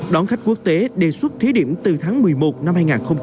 đón khách quốc tế đề xuất thí điểm từ tháng một mươi một năm hai nghìn hai mươi